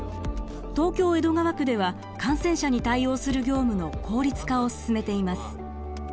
東京・江戸川区では感染者に対応する業務の効率化を進めています。